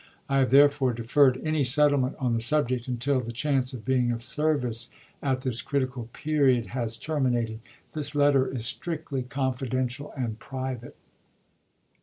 I have therefore deferred any settlement on the subject until the chance of being of service at this critical period bavis, has terminated. This letter is strictlv confidential and April'3, 1861. ms. private.